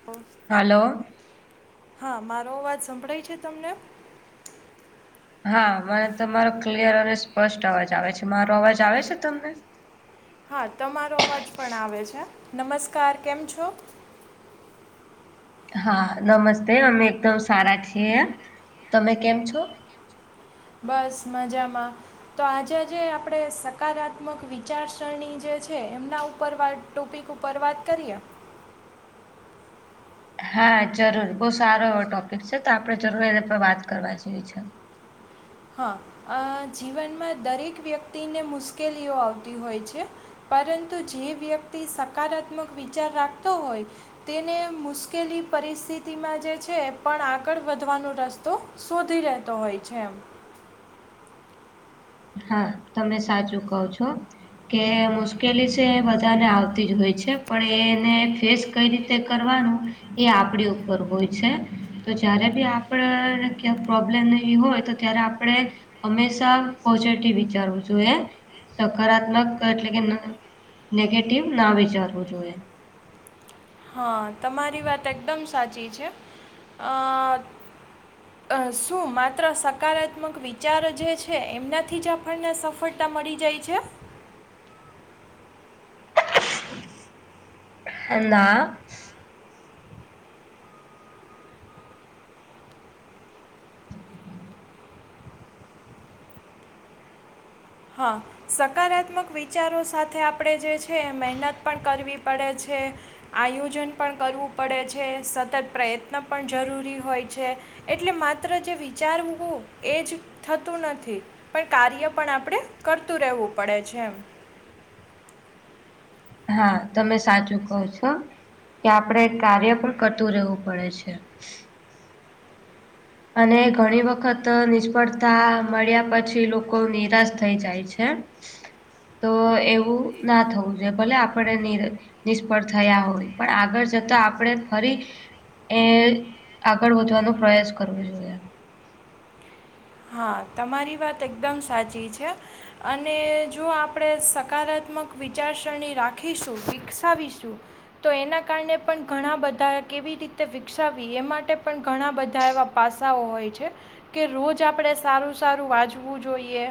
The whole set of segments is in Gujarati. [inaudible] હલો. હા મારો અવાજ સંભળાય છે તમને? હા મને તમારો ક્લિયર અને સ્પષ્ટ અવાજ આવે છે મારો અવાજ આવે છે તમને? હા તમારો અવાજ પણ આવે છે નમસ્કાર કેમ છો? હા નમસ્તે અમે એકદમ સારા છીએ એમ તમે કેમ છો? બસ મજામાં. તો આજેજે આપણે સકારાત્મક વિચારસરણી જે છે એમના ઉપર વા ટોપિક ઉપર વાત કરીએ. હા જરૂર બહુ સારો એવો ટોપિક છે તો આપડણે જરૂર એને પર વાત કરવા જઈવી છે. હા અ જીવનમાં દરેક વ્યક્તિને મુશ્કેલીઓ આવતી હોય છે. પરંતુ જે વ્યક્તિ સકારાત્મક વિચાર રાખતો હોય તેને મુશ્કેલી, પરિસ્થિતિમાં જે છે એ પણ આગળ વધવાનો રસ્તો શોધી લેતો હોય છે એમ. હા તમે સાચું કહો છો. કે મુશ્કેલી છે એ બધાને આવતી જ હોય છે. પણ એને ફેસ કઈ રીત તે કરવાનું એ આપડી ઉપર હોય છે. તો જયારે બી આપડ ક્યાંક પ્રોબ્લેમ ને એવી હોય તો ત્યારે આપણે હંમેશા પોઝિટિવ વિચારવું જોઈએ. સકારાત્મક એટલે કે ન નેગેટિવ ના વિચારવું જોઈએ. હા તમારી વાત એકદમ સાચી છે. અ અ શું માત્ર સકારાત્મક વિચારો જે છે એમનાથી જ આપણને સફળ તા મળી જાય છે? એ ના હા સકારાત્મક વિચારો સાથે આપણે જે છે એ મહેનત પણ કરવી પડે છે. આયોજન પણ કરવું પડે છે, સતત પ્રયત્ન પણ જરૂરી હોય છે. એટલે માત્ર જે વિચારવું એ જ થતું નથી. પણ કાર્ય પણ આપ આપણે કરતું રહેવું પડે છે એમ. હા તમે સાચું કહો છો. કે આપડે કાર્ય પણ કરતું રહેવું પડે છે. અને ઘણી વખત નિષ્ફળતા મળ્યા પછી લોકો નિરાશ થઈ જાય છે. હ [inaudible] તો એવું ના થવું જોઈએ. ભલે આપડે નીર નિષ્ફળ થયા હોય. પણ આગળ જતા આપણે ફરી એ આગળ વધવાનો પ્રયાસ કરવો જોઈએ. હા તમારી વાત એકદમ સાચી છે. અને જો આપણે સકારાત્મક વિચારસરણી રાખીશું, વિકસાવીશું. તો એના કારણે પણ ઘણા બધા કેવી રીતે વિકસાવી એ માટે પણ ઘણા બધા એવા પાસાઓ હોય છે, કે રોજ આપણે સારું સારું વાંચવું જોઈએ.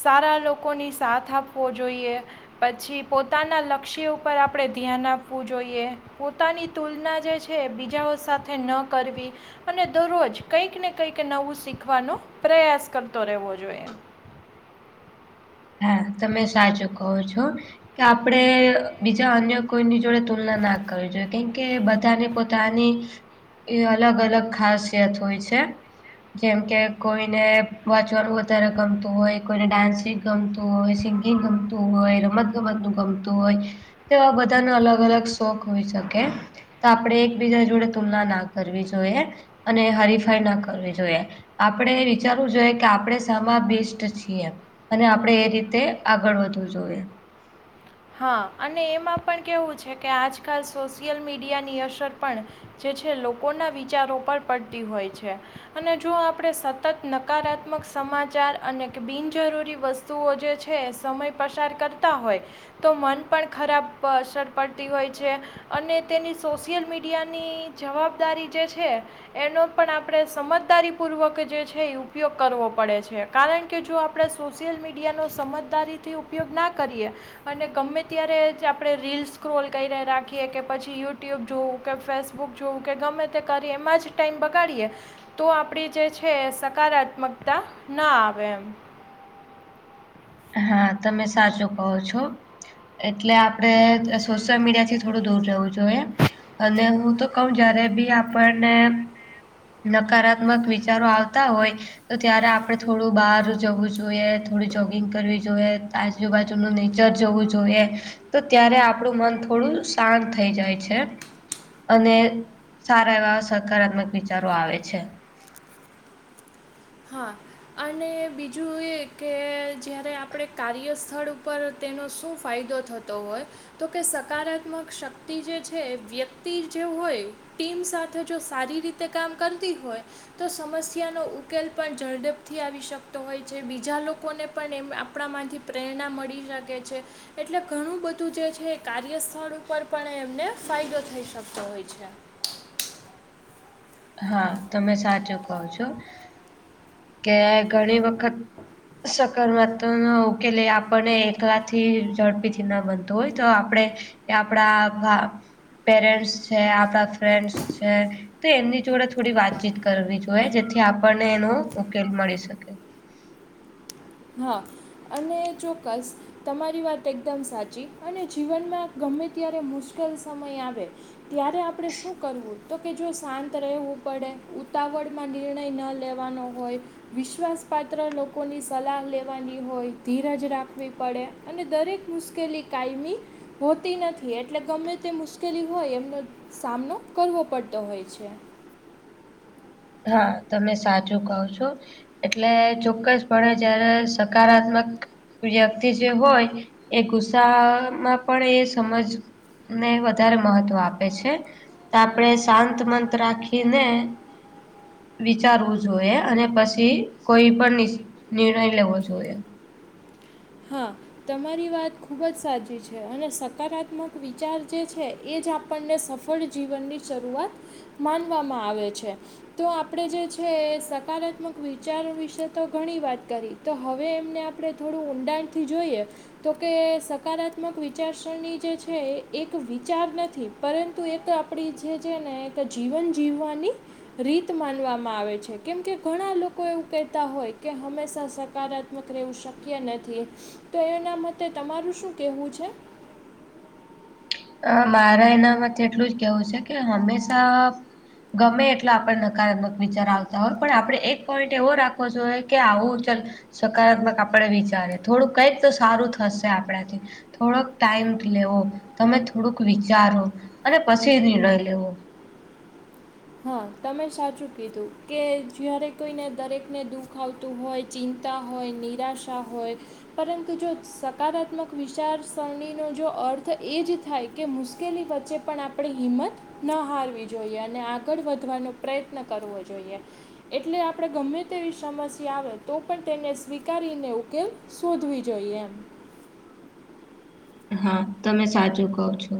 સારા લોકોની સાથ આપવો જોઈએ. પછી પોતાના લક્ષ્ય ઉપર આપણે ધ્યાન આપવું જોઈએ. પોતાની તુલના જે છે એ બીજાઓ સાથે ન કરવી. અને દરરોજ કઈક ને કંઈક નવું શીખવાનો પ્રયાસ કરતો રહેવો જોઈએ. હા તમે સાચું કહો છો. કે આપડે બીજા અન્ય કોઈની જોડે તુલના ના કરવી જોઈએ. કેમ કે બધાને પોત પોતાની એ અલગ અલગ ખાસિયત હોય છે. જેમ કે કોઈને વાંચવાનું વધારે ગમતું હોય, કોઈને ડાન્સિંગ ગમતું હોય, સિંગિંગ ગમતું હોય, રમત ગમતનું ગમતું હોય. તો બધાનો અલગ અલગ શોખ હોઈ શકે. તો આપણે એકબીજા જોડે તુલના ના કરવી જોઈએ અને હરીફાઈ ના કરવી જોઈએ. આપણે વિચારવું જોઈએ કે આપણે શામાં બેસ્ટ છીએ. અને આપણેે એ રીતે આગળ વધવું જોઈએ. હા અને એમાં પણ કહેવું છે કે આજકાલ સોશિયલ મીડિયાની અસર પણ જે છે એ લોકોના વિચારો પર પડતી હોય છે. અને જો આપણે સતત નકારાત્મક સમાચાર અનેક બિનજરૂરી વસ્ તુઓ જે છે એ સમય પસાર કરતા હોય. તો મન પણ ખરાબ અસર પડતી હોય છે. અને તેની સોશિયલ મીડિયાની જવાબદારી જે છે. એનો પણ આપણે સમજદારીપૂર્વક જે છે એ ઉપયોગ કરવો પડે છે કારણ કે જો આપણે સોશિયલ મીડિયાનો સમજદારીથી ઉપયોગ ના કરીએ અને ગમે ત્યારે જ આપણે રીલ્સ સ્ક્રોલ કરીને રાખીએ કે પછી યુટ્યુબ જોવું કે ફેસબુ બુક જોવું કે ગમે તે કરી એમાં જ ટાઈમ બગાડીએ તો આપણી જે છે સકારાત્મકતા ન આવે એમ હા તમે સાચું કહો છો એટલે આપડે સોશિયલ મીડિયાથી થોડું દૂર રહેવું જોઈએ અને હું તો કહું જયારે બી આપણને નકારાત્મક વિચારો આવતા હોય તો ત્યારે આપડે થોડું બહાર જવું જોઈએ થોડું જ કિંગ કરવી જોઈએ આજુબાજુનું નેચર જોવું જોઈએ તો ત્યારે આપણું મન થોડું શાંત થઈ જાય છે અને સારા એવા સકારાત્મક વિચારો આવે છે હા અને બીજું એ કે જ્યારે આપણે કાર્યસ્થળ ઉપર તેનો શું ફાયદો થતો હોય તો કે સકારાત્મક શક્તિ જે છે વ્યક્તિ જે હોય ટીમ સાથે જો સારી રીતે કામ કરતી હોય તો સમસ્યાનો ઉપ ઉકેલ પણ ઝડેપથી આવી શકતો હોય છે બીજા લોકોને પણ એમ આપણા માંથી- - પ્રેરણા મળી શકે છે. એટલે ઘણું બધું જે છે એ કાર્યસ્થળ ઉપર પણ એમને ફાયદો થઈ શકતો હોય છે. હા તમે સાચું કહો છો. કે ઘણી વખત- - સકારમ ન ઉકેલે આપણને એકલા થી ઝડપીથી ના બનતું હોય તો આપણે- - એ આપડા પેરેન્ટ્સ છે આપડા ફ્રેન્ડસ છે- - તો એમની જોડે થોડી વાતચીત કરવી જોઈએ જેથી આપણને એનો ઉકેલ મળી શકે. હા અને ચોક્કસ. તમારી વાત એકદમ સાચી અને જીવનમાં ગમે ત્યારે મુશ્કેલ સમય આવે. ત્યારે આપણે શું કરવું તો કે જો શાંત રહેવું પડે ઉતાવળ- - માં નિર્ણય ન લેવાનો હોય વિશ્વાસપાત્ર લોકોની- - સલાહ લેવાની હોય ધીરજ રાખવી પડે અને દરેક મુશ્કેલી કાયમી- - હોતી નથી એટલે ગમે તે મુશ્કેલી હોય એમનો- - સામનો કરવો પડતો હોય છે. હા તમે સાચું કહો છો. એટલે ચોક્કસપણે જયારે સકારાત્મક- - વ્યક્તિ જે હોય એ ગુસ્સામાં પણ એ સમજ- - ને વધારે મહત્વ આપે છે તો આપણેે શાંત મંત રાખીને- - વિચારવું જોઈએ અને પછી કોઈ પણ નિર્ણય લેવો જોઈએ. હા. તમારી વાત ખૂબ જ સાચી છે અને સકારાત્મક વિચાર જે છે એ જ આપણને સફળ- - જીવનની શરૂઆત માનવામાં આવે છે. તો આપણે જે છે એ સકારાત્મક વિચાર વિશે તો ઘણી વાત કરી- - તો હવે એમને આપણે થોડું ઊંડાણથી જોઈએ. તો કે સકારાત્મક વિચારસરની જે છે એક વિચાર નથી. પરંતુ એક આપણી જે છે ને એક જીવન જીવવાની- - રીત માનવામાં આવે છે કેમ કે ઘણા લોકો એવું કહેતા હોય કે હંમેશા સકારાત્મક- - વકરેવું શક્ય નથી તો એના મતે તમારું શું કહેવું છે? અ મારે એના માટે એટલું જ કેવું છે કે હંમેશા- - ગમે એટલો આપડણે નકારાત્મક વિચાર આવતા હોય પણ આપણે એક પોઈન્ટ એવો રાખવો જોઈએ કે આવું ચ- - સકારાત્મક આપડે વિચારે થોડું કઈક તો સારું થશે આપણાથી- - થોડોક ટાઈમ લેવો તમે થોડુંક વિચારો અને પછી નિર્ણય લેવો. હા તમે સાચું કીધું કે જયારે કોઈને દરેકને દુઃખ આવતું હોય. ચિંતા હોય, નિરાશા હોય. પરંતુ જો સકારાત્મક વિચારસરણીનો જો અર્થ એ જ થાય કે મુશ્કેલી વચ્ચે પણ આપણે હિંમત ન હારવી જોઈએ અને આગળ વધવાનો પ્રયત્ન કરવો જોઈએ. એટલે આપણે ગમે તેવી સમસ્યા આવે તો પણ તેને સ્વીકારીને ઉકેલ શોધવી જોઈએ એમ. હા તમે સાચું કવ છો.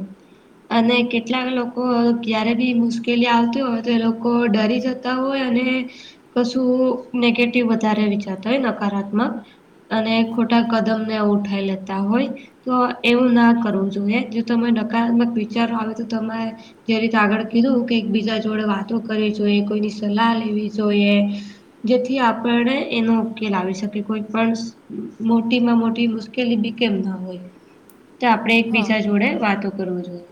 અને કેટલાક લોકો ક્યારે બી મુશ્કેલી આવતી હોય તો એ લોકો ડરી જ હોય અને કશું નેગેટિવ વધારે વિચારતાં હોય નકારાત્મક. અને ખોટા કદમને એવું ઉઠાઈ લેતાં હોય. તો એવું ના કરવું જોઈએ જો તમે નકારાત્મક વિચારો આવે તો તમારે જે રીતે આગળ કીધું કે એકબીજા જોડે વાતો કરવી જોઈએ, કોઈની સલાહ લેવી જોઈએ. જેથી આપને એનો ઉકેલ આવી શકે કોઈ પણ મોટીમાં મોટી મુ- લી બી કેમ ના હોય તો આપડે હા એકબીજા જોડે વાતો કરવું જોઈએ.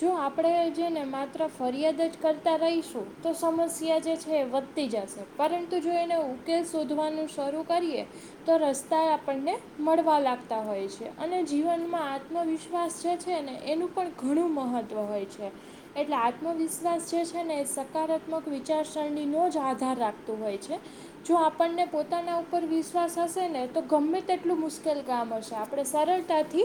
જો આપણે છે ને માત્ર ફરિયાદ જ કરતા રહીશું તો સમસ્યા જે છે એ વધતી જશે. પરંતુ જો એનો ઉકેલ શોધવાનું શરૂ કરીએ તો રસ્તા આપણને મળવા લાગતાં હોય છે અને જીવનમાં નો વિશ્વાસ જે છે ને એનું પણ ઘણું મહત્ત્વ હોય છે. એટલે આત્મવિશ્વાસ જે છે ને એ સકારાત્મક વિચારસરણીનો જ આધાર રાખતો હોય છે. જો આપણને પોતાના ઉપર વિશ્વાસ હશે ને તો ગમે તેટલું મુશ્કેલ કામ હશે. આપણે સરળતાથી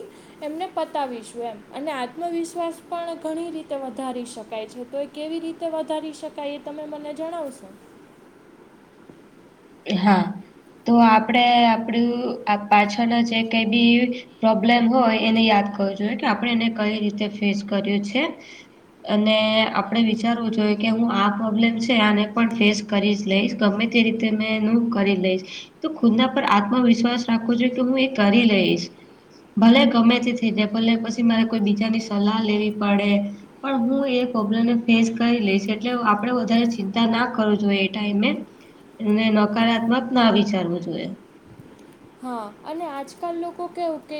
એમને પતાવીશું એમ અને આત્મવિશ્વાસ પણ ઘણી રીતે વધારી શકાય છે તો એ કેવી રીતે વધારી શકાય એ તમે મને જણાવશો? હા. તો આપણે આપણું પાછળનો જે કઈ બી પ્રોબ્લેમ હોય એને યાદ કર વુ જોએ કે આપણે એને કઈ રીતે ફેસ કર્યું છે. અને આપણે વિચારવું જોઈએ કે હું આ પ્રોબ્લેમ છે આને પણ ફેસ કરી જ લઈશ ગમે તે રીત મેં એનું કરી લઈશ. તો ખુદના પર આત્મવિશ્વાસ રાખવો જોઈએ કે હું એ કરી લઈશ. ભલે ગમે તે થઇ જાય ભલે પછી મારે કોઈ બીજાની સલાહ લેવી પડે. પણ હું એ પ્રોબ્લેમને ફેસ કરી લઈશ એટલે આપણે વધારે ચિંતા ના કરવું જોઈએ એ ટાઈમે. એમને નકારાત્મક ના વિચારવું જોઈએ. હા અને આજકાલ લોકો કેવું કે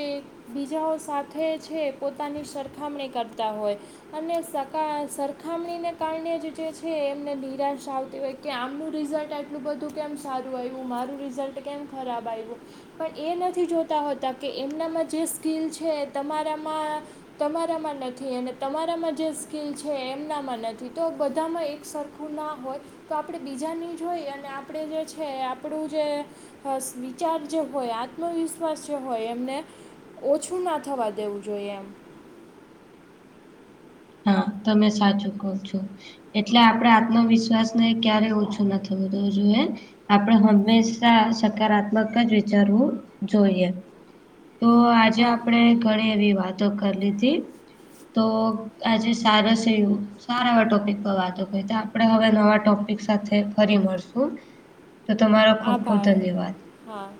બીજાઓ સાથે છે પોતાની સરખામણી કરતાં હોય. અને સકા સરખામણીને કારણે જ જે છે એમને નિરાશા આવતી હોય. કે આમનું રિઝલ્ટ આટલું બધું કેમ સારું આયવુ, મારું રિઝલ્ટ કેમ ખરાબ આયવુ? પણ એ નથી જોતાં હોતાં કે એમનામાં જે સ્કીલ છે એ તમારામાં તમારામાં નથી અને તમારામાં જે સ્કીલ છે એમનામાં નથી તો બધામાં એક સર આખું ના હોય તો આપણે બીજાની જોઈ અને આપણે જે છે આપણું જે હશ વિચાર જે હોય આત્મવિશ્વાસ જે હોય એમને ઓછું ના થવા દેવું જોઈએ એમ. હા, તમે સાચું કવ છો. એટલે આપણે આત્મવિશ્વાસને ક્યારેય ઓછું ના થવું દેવું જોઈએ. આપણે હંમેશા સકારાત્મક જ વિચારવું જોઈએ. તો આજે હા આપણે ઘણી એવી વાતો કરી લીધી તો આજે સારુ શે એવું સારા એવા ટોપિક પર વાતો કરી તો આપણે હવે નવાં ટોપિક સાથે ફરી મળશું. [inaudible] તો તમારો ખૂબ ખૂબ આભાર ધન્યવાદ. હા.